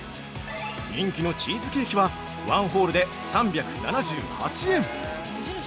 人気のチーズケーキはワンホールで３７８円。